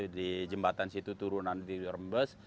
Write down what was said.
di jembatan situ turunan di rembes